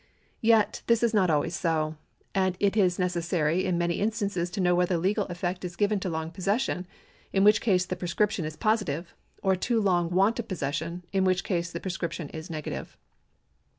Yet this is not always so, and it is necessary in many instances to know whether legal effect is given to long possession, in which case the prescription is positive, or to long want of possession, in which case the prescription is negative.